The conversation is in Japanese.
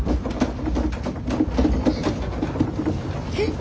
えっ？